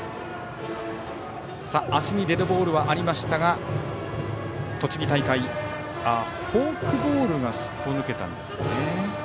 足にデッドボールはありましたがフォークボールがすっぽ抜けたんですね。